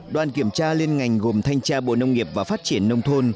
đoàn kiểm tra liên ngành gồm thanh tra bộ nông nghiệp và phát triển nông thôn